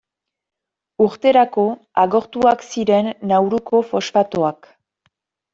Urterako agortuak ziren Nauruko fosfatoak.